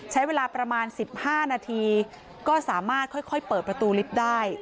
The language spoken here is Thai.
ใช้เวลาประมาณ๑๕นาทีก็สามารถค่อยเปิดประตูลิฟต์ได้